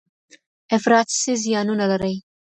افراط څه زیانونه لري؟